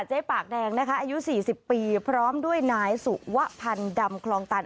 ปากแดงนะคะอายุ๔๐ปีพร้อมด้วยนายสุวพันธ์ดำคลองตัน